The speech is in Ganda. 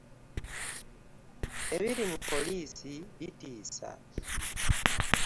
Ebiri mu pooliisi bitiisa!